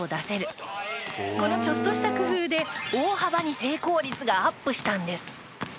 このちょっとした工夫で大幅に成功率がアップしたんです。